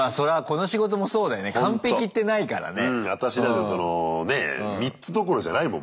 アタシなんてそのねえ３つどころじゃないもん